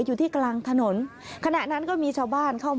อยู่ที่กลางถนนขณะนั้นก็มีชาวบ้านเข้ามา